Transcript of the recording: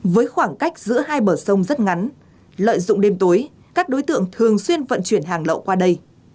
với khoảng cách giữa hai bờ sông rất ngắn lợi dụng đêm tối các đối tượng thường xuyên vận chuyển hàng lậu qua đây